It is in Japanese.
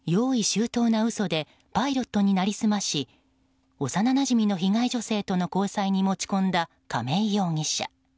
周到な嘘でパイロットに成り済まし幼なじみの被害女性との交際に持ち込んだ亀井容疑者。